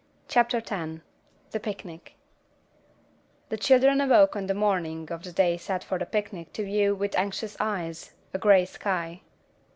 CHAPTER X The Picnic The children awoke on the morning of the day set for the picnic, to view, with anxious eyes, a grey sky.